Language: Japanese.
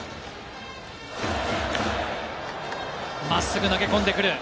真っすぐ投げ込んでくる。